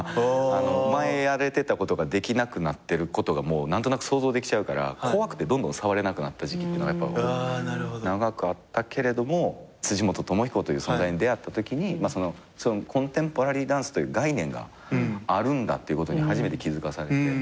前やれてたことができなくなってることが何となく想像できちゃうから怖くてどんどん触れなくなった時期ってのが長くあったけれども辻本知彦という存在に出会ったときにコンテンポラリーダンスという概念があるんだっていうことに初めて気付かされて。